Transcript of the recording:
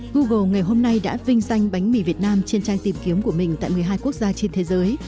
google ngày hôm nay đã vinh danh bánh mì việt nam trên trang tìm kiếm của mình tại một mươi hai quốc gia trên thế giới